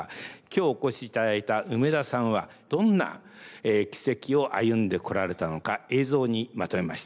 今日お越しいただいた梅田さんはどんな軌跡を歩んでこられたのか映像にまとめました。